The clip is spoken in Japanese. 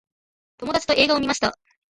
友達と映画を観ました。